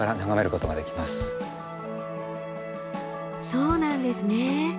そうなんですね！